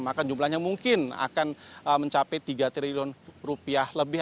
maka jumlahnya mungkin akan mencapai tiga triliun rupiah lebih